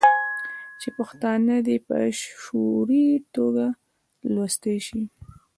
چې پښتانه دې په شعوري ټوګه لوستي شي.